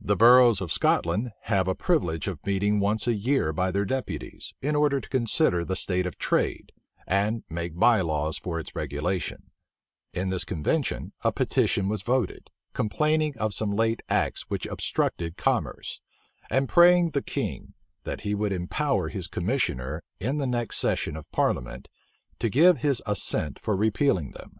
The boroughs of Scotland have a privilege of meeting once a year by their deputies, in order to consider the state of trade, and make by laws for its regulation: in this convention a petition was voted, complaining of some late acts which obstructed commerce; and praying the king, that he would empower his commissioner, in the next session of parliament, to give his assent for repealing them.